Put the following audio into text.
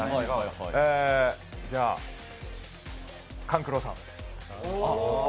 じゃ、勘九郎さん。